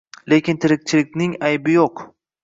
Lekin tirikchilikding aybi jo‘q